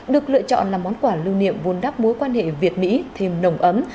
được lựa chọn là món quà lưu niệm vun đắp mối quan hệ việt mỹ thêm nồng ấm